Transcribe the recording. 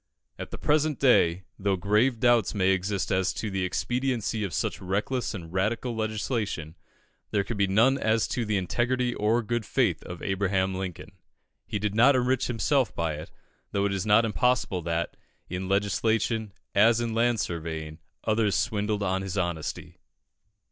At the present day, though grave doubts may exist as to the expediency of such reckless and radical legislation, there can be none as to the integrity or good faith of Abraham Lincoln. He did not enrich himself by it, though it is not impossible that, in legislation as in land surveying, others swindled on his honesty.